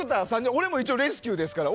俺も一応、レスキューですから。